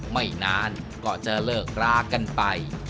ไม่นานก็จะเลิกรากันไป